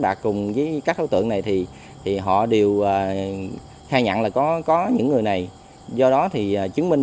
bạc cùng với các khẩu tượng này thì họ đều khai nhận là có có những người này do đó thì chứng minh